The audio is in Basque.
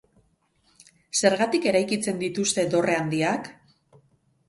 Zergatik eraikitzen dituzte dorre handiak?